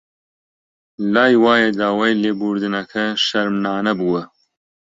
لای وایە داوای لێبوردنەکە شەرمنانە بووە